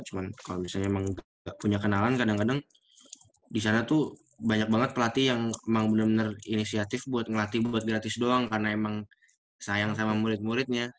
cuma kalau misalnya emang gak punya kenalan kadang kadang di sana tuh banyak banget pelatih yang emang bener bener inisiatif buat ngelatih buat gratis doang karena emang sayang sama murid muridnya